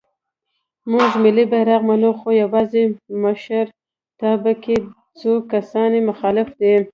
مونږ ملی بیرغ منو خو یواځې مشرتابه کې څو کسان یې مخالف دی.